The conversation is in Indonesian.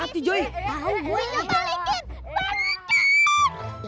aduh gue disial